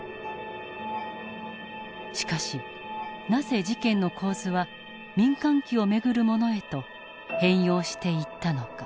しかしなぜ事件の構図は民間機を巡るものへと変容していったのか。